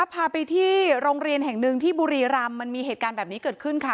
พาไปที่โรงเรียนแห่งหนึ่งที่บุรีรำมันมีเหตุการณ์แบบนี้เกิดขึ้นค่ะ